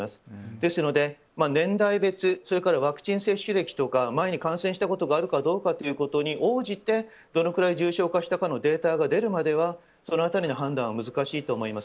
ですので年代別それからワクチン接種歴とか前に感染したことがあるかどうかに応じてどのぐらい重症化したかのデータが出るまではその辺りの判断は難しいと思います。